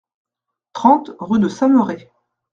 trente rue de Samerey